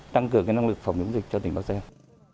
tăng cường năng lực phòng chống dịch cho tỉnh bắc giang